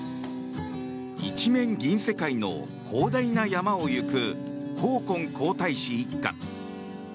一面銀世界の広大な山を行くホーコン皇太子一家。